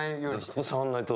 ここ触んないと